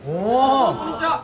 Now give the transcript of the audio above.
こんにちは！